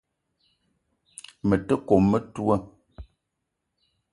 Me te kome metoua